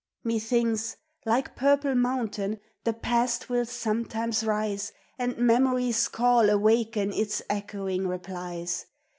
Methinks, like Purple Mountain, the past will sometimes rise, And memory's call awaken its echoing replies.